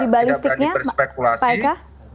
bagaimana dengan uji balistiknya pak eka